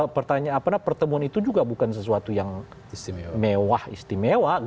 pertanyaan apa pertemuan itu juga bukan sesuatu yang mewah istimewa